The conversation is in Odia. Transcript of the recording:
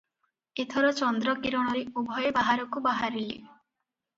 ଏଥର ଚନ୍ଦ୍ରକିରଣରେ ଉଭୟେ ବାହାରକୁ ବାହାରିଲେ ।